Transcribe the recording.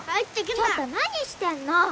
・ちょっと何してんの！